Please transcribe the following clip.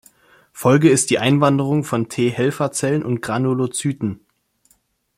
Folge ist die Einwanderung von T-Helferzellen und Granulozyten.